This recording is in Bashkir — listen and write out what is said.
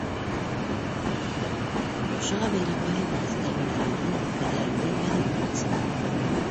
Ошоға бәйле ҡайһы бер иҫкәрмәләремде, фекерҙәремде яҙып үтмәксемен.